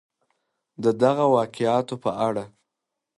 د دغه واقعاتو په اړه